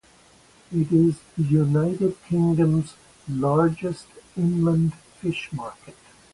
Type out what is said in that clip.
It is the United Kingdom's largest inland fish market.